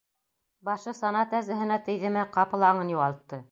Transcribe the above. Башы сана тәзеһенә тейҙеме, ҡапыл аңын юғалтты.